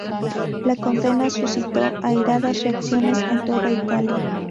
La condena suscitó airadas reacciones en toda Italia.